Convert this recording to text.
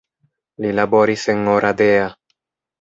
Li laboris en Oradea.